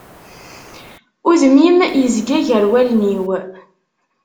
Udem-im yezga gar wallen-iw.